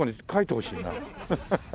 ハハハハ。